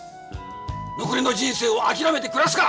残りの人生を諦めて暮らすか？